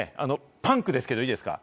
パンクですけど、いいですか？